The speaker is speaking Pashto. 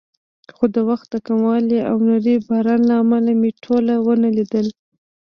خو د وخت د کموالي او نري باران له امله مې ټول ونه لیدل.